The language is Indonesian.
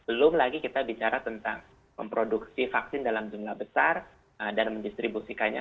belum lagi kita bicara tentang memproduksi vaksin dalam jumlah besar dan mendistribusikannya